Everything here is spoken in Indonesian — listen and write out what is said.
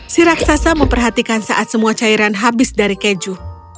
si raksasa memperhatikan saat semua cairan habis dari keju